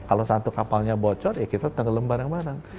kalau satu kapalnya bocor ya kita tenggelam bareng bareng